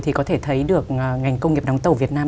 thì có thể thấy được ngành công nghiệp đóng tàu việt nam